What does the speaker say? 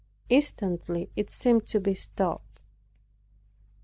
Instantly it seemed to be stopped.